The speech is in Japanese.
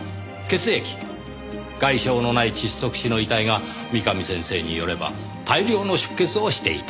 外傷のない窒息死の遺体が三上先生によれば大量の出血をしていた。